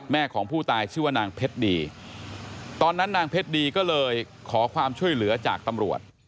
ของผู้ตายชื่อว่านางเพชรดีตอนนั้นนางเพชรดีก็เลยขอความช่วยเหลือจากตำรวจ